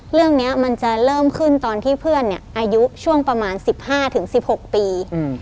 เรื่องนี้มันจะเริ่มขึ้นตอนที่เพื่อนอายุช่วงประมาณ๑๕๑๖ปี